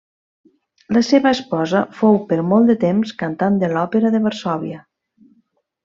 La seva esposa fou per molt de temps cantant de l'Òpera de Varsòvia.